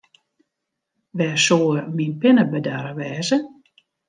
Wêr soe myn pinne bedarre wêze?